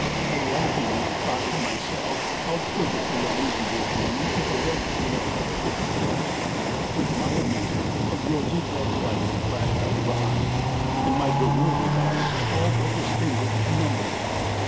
I laughingly thought to myself how perfect the illusion would be if a red tail light should be shown, when to my amazement a rosy red light flashed out behind, and my bewildered eyes all but distinguished a number!